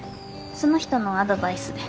その人のアドバイスで。